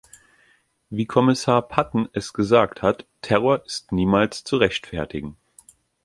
Wie Kommissar Patten es gesagt hat, Terror ist niemals zu rechtfertigen.